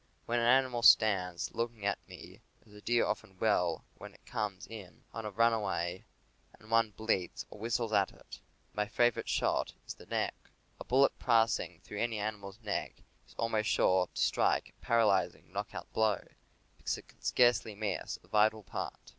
When an animal stands looking at me as a deer often will when it comes in on a runway and one bleats or whistles at it, my favorite shot is the neck. A bullet passing through any animal's neck is almost sure to strike a paralyzing, knock out blow, because it can scarcely miss a vital part.